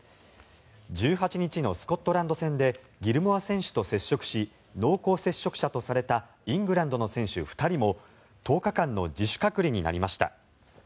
１８日のスコットランド戦でギルモア選手と接触し濃厚接触者とされたイングランドの選手２人も１０日間の自主隔離になりました。